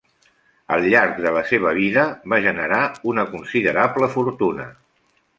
Al llarg de la seva vida va generar una considerable fortuna.